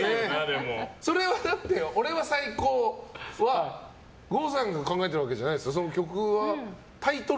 「俺は最高！！！」は郷さんが考えてるわけじゃないですよね。